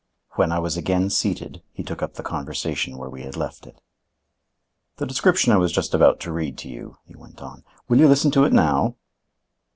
When I was again seated, he took up the conversation where we had left it. "The description I was just about to read to you," he went on; "will you listen to it now?"